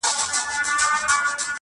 زورور له زورور څخه ډارېږي،